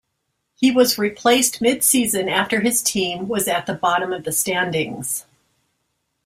He was replaced midseason after his team was at the bottom of the standings.